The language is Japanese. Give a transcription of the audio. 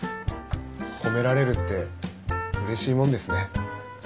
褒められるってうれしいもんですね。